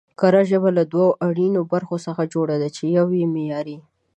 کره ژبه له دوو اړينو برخو څخه جوړه ده، چې يوه يې معياري